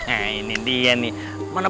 aduh kena sakit juga